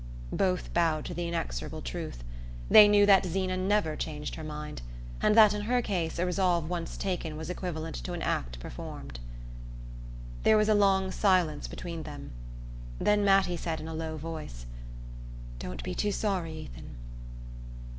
Both bowed to the inexorable truth: they knew that Zeena never changed her mind, and that in her case a resolve once taken was equivalent to an act performed. There was a long silence between them; then Mattie said in a low voice: "Don't be too sorry, Ethan."